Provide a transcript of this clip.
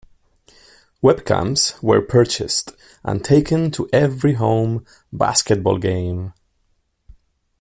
Webcams were purchased and taken to every home basketball game.